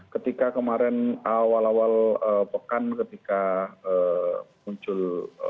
ketika kemarin awal awal pekan ketika muncul